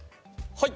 はい！